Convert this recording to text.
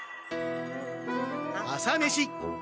朝メシ。